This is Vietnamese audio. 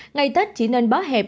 ngày tết chỉ nên bó hẹp